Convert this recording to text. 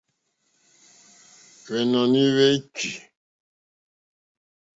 Hwènɔ̀ní hwé chí.